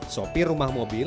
sopi rumah mobil